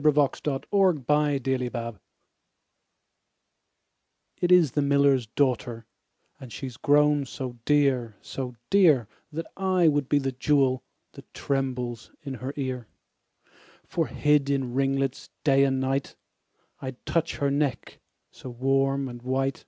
The Miller's Daughter IT is the miller's daughter, And she is grown so dear, so dear, That I would be the jewel That trembles in her ear: For hid in ringlets day and night, 5 I'd touch her neck so warm and white.